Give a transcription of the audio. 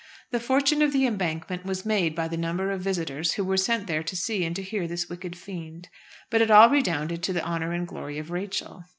The fortune of "The Embankment" was made by the number of visitors who were sent there to see and to hear this wicked fiend; but it all redounded to the honour and glory of Rachel.